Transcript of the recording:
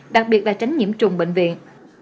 đặc biệt là tránh nhiễm trùng bệnh viện